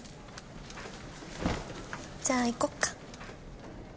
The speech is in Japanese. じゃあ行こっか。